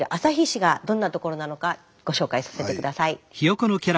市がどんな所なのかご紹介させて下さい。